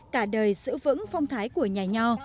cả đời giữ vững phong thái của nhà nhò